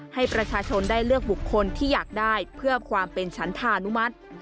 ให้ประชาชนได้เลือกบุคคลที่อยากได้เพื่อความเป็นฉันธานุมัติ